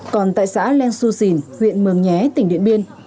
còn tại xã leng su xìn huyện mường nhé tỉnh điện biên